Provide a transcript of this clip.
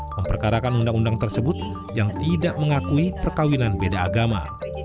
memperkarakan undang undang tersebut yang tidak mengakui perkawinan beda agama